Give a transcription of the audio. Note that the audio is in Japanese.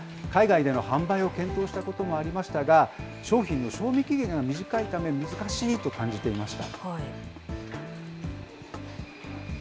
海外での販売を検討したこともありましたが、商品の賞味期限が短いため、難しいと感じていました。